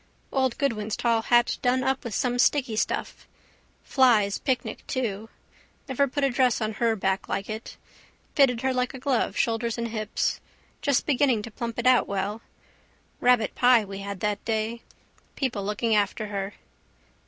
Old Goodwin's tall hat done up with some sticky stuff. Flies' picnic too. Never put a dress on her back like it. Fitted her like a glove, shoulders and hips. Just beginning to plump it out well. Rabbitpie we had that day. People looking after her.